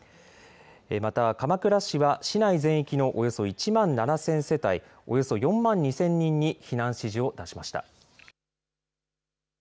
また鎌倉市は市内全域のおよそ１万７０００世帯およそ４万２０００人に避難指示を出しました。